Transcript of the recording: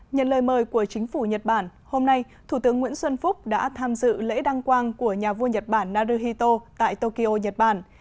nhận lời mời của chính phủ nhật bản hôm nay thủ tướng nguyễn xuân phúc đã tham dự lễ đăng quang của nhà vua nhật bản naruhito tại tokyo nhật bản